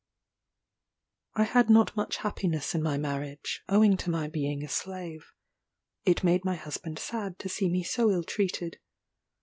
I had not much happiness in my marriage, owing to my being a slave. It made my husband sad to see me so ill treated.